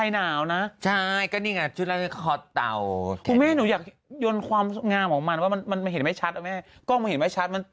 มันเห็นไม่ชัดเมื่อกล้องแบบนี้ก็เห็นชัด